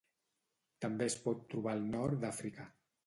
També es pot trobar al nord d'Àfrica.